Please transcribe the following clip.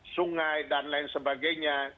sungai dan lain sebagainya